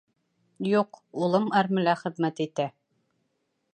Юҡ, улым әрмелә хеҙмәт итә